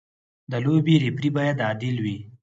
د لوبې ریفري باید عادل وي.